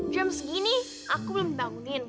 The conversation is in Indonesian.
jam segini aku belum dibangunin